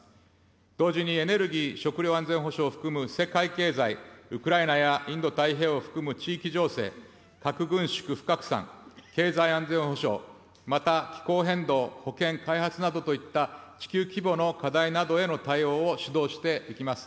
同時にエネルギー・食料安全保障を含む世界経済、ウクライナやインド太平洋を含む地域情勢、核軍縮・不拡散、経済安全保障、また気候変動、保健、開発などといった、地球規模の課題などへの対応を主導していきます。